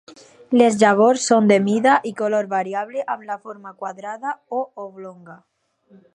Les llavors són de mida i color variable amb la forma quadrada o oblonga.